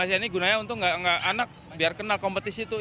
ini gunanya untuk anak biar kenal kompetisi itu apa